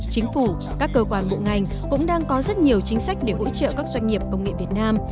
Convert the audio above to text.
chính phủ các cơ quan bộ ngành cũng đang có rất nhiều chính sách để hỗ trợ các doanh nghiệp công nghệ việt nam